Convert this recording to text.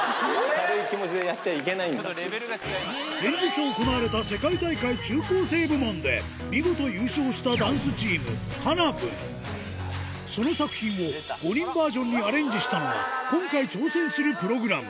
先日行われた世界大会中高生部門で見事優勝したダンスチームその作品を５人バージョンにアレンジしたのが今回挑戦するプログラム